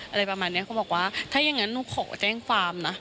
อะไรประมาณนี้เขาบอกว่าถ้าอย่างนั้นหนูขอแจ้งความนะ